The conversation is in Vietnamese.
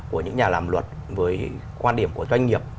của những nhà làm luật với quan điểm của doanh nghiệp